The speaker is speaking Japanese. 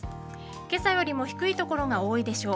今朝よりも低い所が多いでしょう。